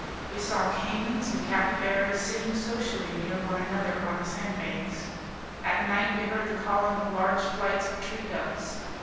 We saw caymans and capybaras sitting socially near one another on the sandbanks. At night we heard the calling of large flights of tree ducks.